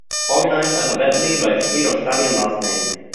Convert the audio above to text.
Organized alphabetically by field of study and last name.